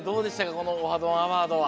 この「オハ！どんアワード」は。